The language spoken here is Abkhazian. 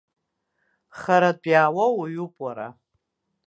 Харатә иаауа уаҩуп уара.